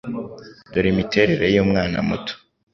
Dore Imiterere yumwana muto